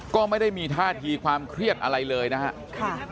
ก็ไม่ได้มีท่าทีความเครียดอะไรเลยนะครับ